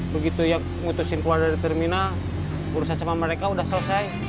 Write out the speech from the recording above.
begitu ya ngutusin keluar dari terminal urusan sama mereka sudah selesai